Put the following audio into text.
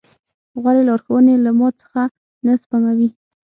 غورې لارښوونې له ما څخه نه سپموي.